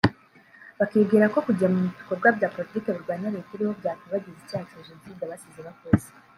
bakibwirako kujya mu bikorwa bya Politiki birwanya Leta iriho byakwibagiza icyaha cya Jenoside basize bakoze